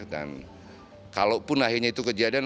dan kalau pun akhirnya itu kejadian